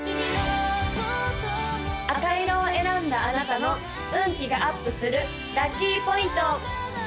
赤色を選んだあなたの運気がアップするラッキーポイント！